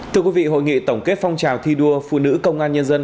thưa quý vị hội nghị tổng kết phong trào thi đua phụ nữ công an nhân dân